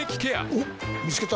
おっ見つけた。